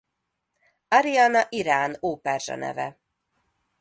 Ariana Irán óperzsa neve.